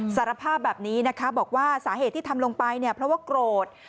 สารภาพแบบนี้นะคะบอกว่าสาเหตุที่ทำลงไปเนี่ยเพราะว่าโกรธ